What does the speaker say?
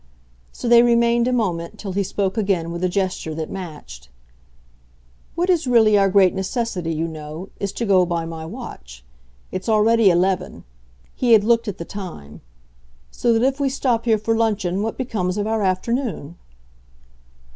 So they remained a moment, till he spoke again with a gesture that matched. "What is really our great necessity, you know, is to go by my watch. It's already eleven" he had looked at the time; "so that if we stop here to luncheon what becomes of our afternoon?"